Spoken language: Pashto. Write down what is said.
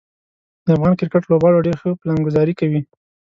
د افغان کرکټ لوبغاړو ډیر ښه پلانګذاري کوي.